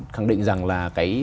khẳng định rằng là